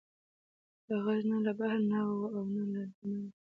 دا غږ نه له بهر نه و او نه له دننه نه.